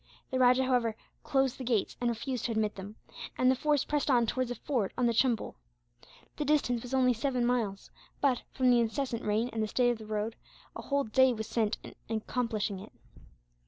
The rajah, however, closed the gates and refused to admit them; and the force pressed on towards a ford on the Chumbul. The distance was only seven miles but, from the incessant rain and the state of the road, a whole day was spent in accomplishing it.